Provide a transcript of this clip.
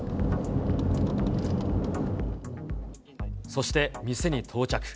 そして店に到着。